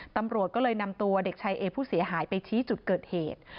ตำรวจก็เลยนำตัวเด็กชายเอผู้เสียหายไปชี้จุดเกิดเหตุ